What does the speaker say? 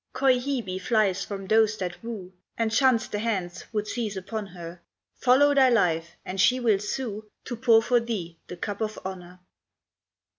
Coy Hebe flies from those that woo, And shuns the hands would seize upon her, Follow thy life, and she will sue To pour for thee the cup of honor.